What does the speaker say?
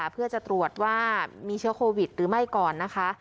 เพื่อจะตรวจว่ามีเชื้อโควิดหรือไม่ก่อนนะคะ